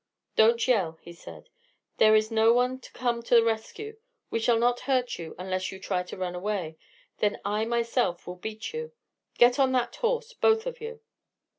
"Don't yell," he said. "There is no one to come to the rescue. We shall not hurt you unless you try to run away. Then I myself will beat you. Get on that horse, both of you."